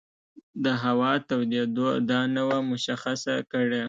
د هوا تودېدو دا نه وه مشخصه کړې.